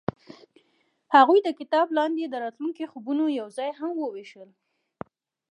هغوی د کتاب لاندې د راتلونکي خوبونه یوځای هم وویشل.